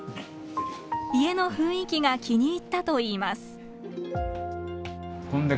家の雰囲気が気に入ったといいます。